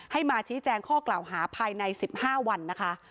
ให้มาชี้แจงข้อกล่าวหาภายใน๑๕วันนะคะ